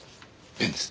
ペンです。